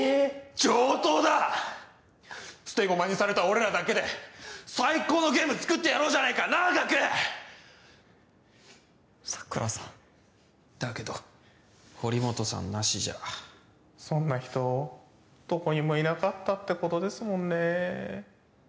上等だ捨て駒にされた俺らだけで最高のゲーム作ってやろうじゃねえかなあガク桜さんだけど堀本さんなしじゃそんな人どこにもいなかったってことですもんね